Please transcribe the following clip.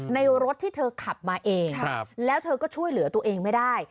รถที่เธอขับมาเองแล้วเธอก็ช่วยเหลือตัวเองไม่ได้